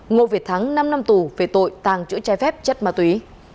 ngô việt thắng năm năm tù về tội tàng trữ chai phép chất ma túy